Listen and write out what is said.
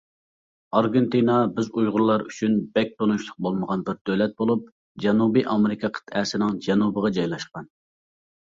ئارگېنتىنا بىز ئۇيغۇرلار ئۈچۈن بەك تونۇشلۇق بولمىغان بىر دۆلەت بولۇپ، جەنۇبىي ئامېرىكا قىتئەسىنىڭ جەنۇبىغا جايلاشقان.